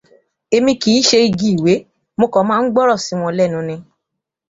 Èmi kìí ṣe igi ìwé, mo kàn máa ń gbọ́ràn sí wọn lẹ́nu ni.